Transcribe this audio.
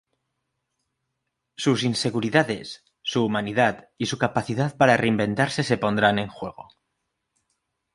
Sus inseguridades, su humanidad y su capacidad para reinventarse se pondrán en juego.